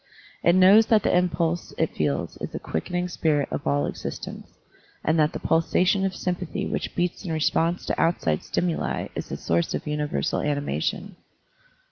It knows that the impulse it feels is the quickenir^ spirit of all existence, and that the pulsation of sympathy which beats in response to outside stimuli is the source of universal animation.